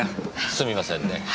すみませんね。